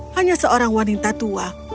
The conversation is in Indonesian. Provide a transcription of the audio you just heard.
hanya seorang wanita tua